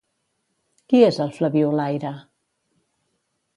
Qui és el Flabiolaire?